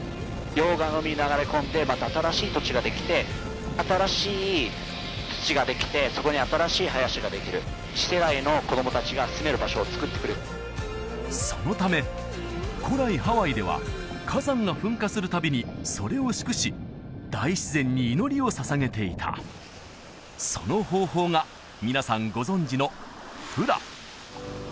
溶岩が海に流れ込んでまた新しい土地ができて新しい土ができてそこに新しい林ができる次世代の子供達が住める場所を作ってくれるそのため古来ハワイでは火山が噴火する度にそれを祝し大自然に祈りを捧げていたその方法が皆さんご存じのフラ